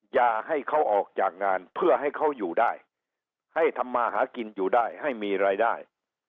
อย่าให้เขาออกจากงานเพื่อให้เขาอยู่ได้ให้ทำมาหากินอยู่ได้ให้มีรายได้